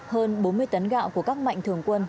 hơn bốn mươi tấn gạo của các mạnh thường quân